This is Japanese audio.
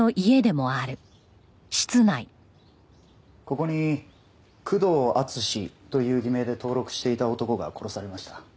ここに久遠淳史という偽名で登録していた男が殺されました。